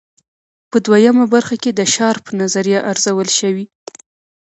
په دویمه برخه کې د شارپ نظریه ارزول شوې.